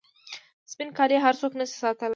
سپین کالي هر څوک نسي ساتلای.